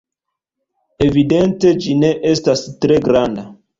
Evidente ĝi ne estas tre granda.